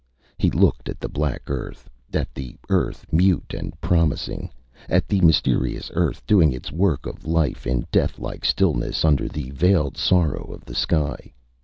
He looked at the black earth, at the earth mute and promising, at the mysterious earth doing its work of life in death like stillness under the veiled sorrow of the sky.